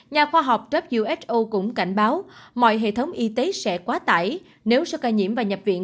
nhà khoa học who cũng cảnh báo mọi hệ thống y tế sẽ quá tải nếu số ca nhiễm và nhập viện